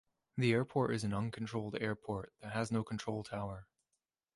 The airport is an uncontrolled airport that has no control tower.